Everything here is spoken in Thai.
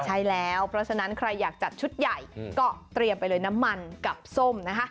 ใช่แล้วเพราะฉะนั้นใครอยากจัดชุดใหญ่ก็เตรียมไปเลยน้ำมันกับส้มนะคะ